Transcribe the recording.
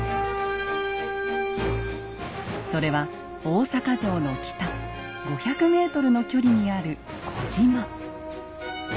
それは大坂城の北５００ｍの距離にある小島。